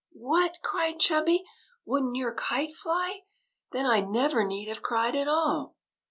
" What !" cried Chubby. '' Would n't your kite fly? Then I never need have cried at all."